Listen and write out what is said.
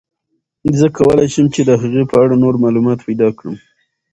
زه کولای شم چې د هغې په اړه نور معلومات پیدا کړم.